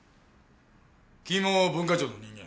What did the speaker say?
君も文化庁の人間？